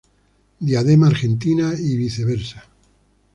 Diadema Argentina y viceversa.